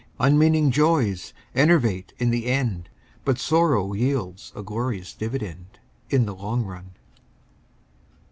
Unmeaning joys enervate in the end, But sorrow yields a glorious dividend In the long run.